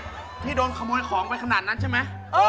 ที่โดนขโมยของไปขนาดนั้นใช่ไหม